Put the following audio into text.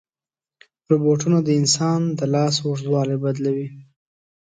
روبوټونه د انسان د لاس اوږدوالی بدلوي.